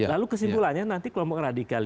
lalu kesimpulannya nanti kelompok radikal